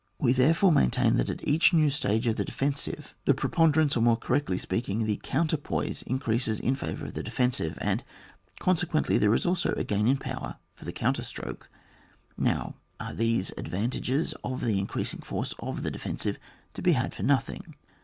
We therefore maintain, that at each new stage of the defensive the prepon derance, or more correctly speaking, the coimterpoise increases in favour of the defensive, and consequently there is also a gain in power for the counterstroke. Now are these advantages of the in creasing force of the defensive to be had for nothing?